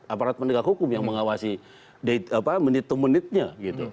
aparat pendekat hukum yang mengawasi menit to menitnya gitu